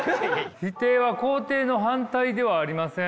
「否定は肯定の反対ではありません」。